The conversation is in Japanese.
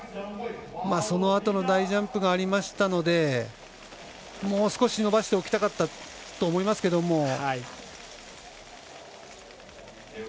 そのあとの大ジャンプがありましたのでもう少し伸ばしておきたかったと思いますけれども。